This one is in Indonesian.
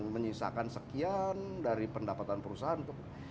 menyisakan sekian dari pendapatan perusahaan